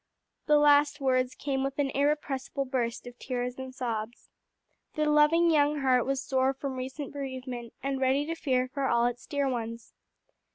The last words came with an irrepressible burst of tears and sobs. The loving young heart was sore from recent bereavement, and ready to fear for all its dear ones.